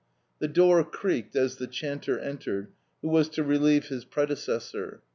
The door creaked as the chanter entered who was to relieve his predecessor.